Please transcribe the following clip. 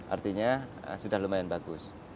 artinya sudah lumayan bagus